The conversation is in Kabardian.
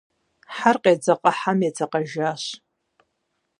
Хьэр къедзэкъа хьэм едзэкъэжащ.